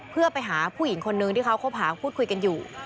เพื่อไปหาผู้หญิงคนนึงที่เขาคบหาพูดคุยกันอยู่